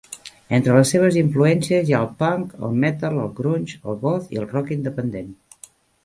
Entre les seves influències hi ha el punk, el metal, el grunge, el goth i el rock independent.